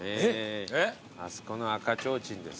あそこの赤ちょうちんです。